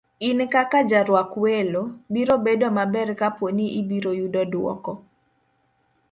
In kaka jarwak welo, biro bedo maber kapo ni ibiro yudo duoko